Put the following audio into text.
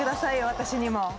私にも。